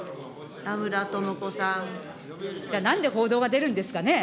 じゃあ、なんで報道が出るんですかね。